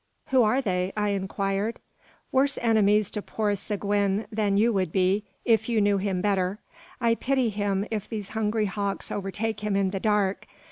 "Who are they?" I inquired. "Worse enemies to poor Seguin than you would be, if you knew him better. I pity him if these hungry hawks overtake him in the dark.